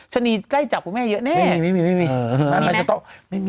ชะนีใกล้จับคุณแม่เยอะแน่